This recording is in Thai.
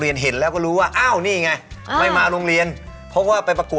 เห็นแล้วก็รู้ว่าอ้าวนี่ไงไม่มาโรงเรียนเพราะว่าไปประกวด